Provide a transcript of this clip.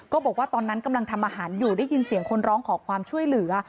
บอกว่าตอนนั้นกำลังทำอาหารอยู่ได้ยินเสียงคนร้องขอความช่วยเหลือ